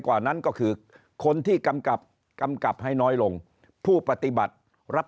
กว่านั้นก็คือคนที่กำกับกำกับให้น้อยลงผู้ปฏิบัติรับ